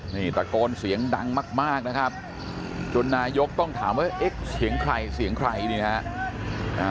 นี่ตะโกนเสียงดังมากนะครับจนนายกต้องถามว่าเอ๊ะเสียงใครเสียงใครนี่นะฮะ